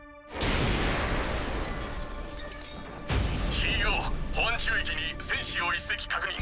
ＣＥＯ保安宙域に船姿を１隻確認。